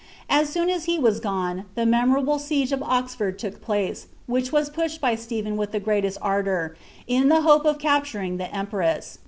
As soon as he was pone, the memorable siege of Oxford took place, which was pushed by Stephen with the greatest ardour, in the hope of capturing the empress.